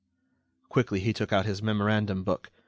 Quickly, he took out his memorandum book.